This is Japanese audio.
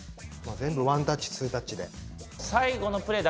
全部ワンタッチツータッチで。